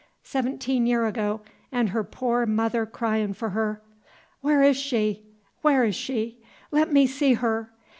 Seventeen year ago, 'n' her poor mother cryin' for her, 'Where is she? where is she? Let me see her!